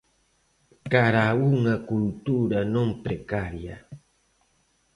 'Cara a unha cultura non precaria'.